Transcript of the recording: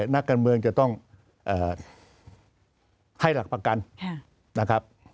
นักการเมืองจะต้องให้หลักประกันนะครับ